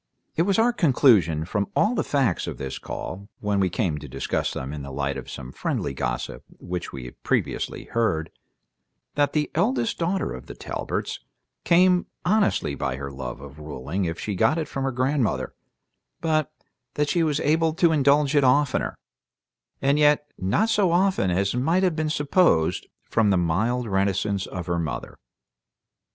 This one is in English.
It was our conclusion from all the facts of this call, when we came to discuss them in the light of some friendly gossip which we had previously heard, that the eldest daughter of the Talberts came honestly by her love of ruling if she got it from her grandmother, but that she was able to indulge it oftener, and yet not so often as might have been supposed from the mild reticence of her mother.